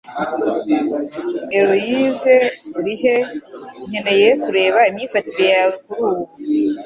Eloise urihe nkeneye kureba imyifatire yawe kurubu